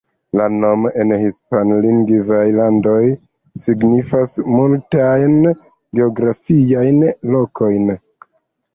La nomo en hispanlingvaj landoj signas multajn geografiajn lokojn.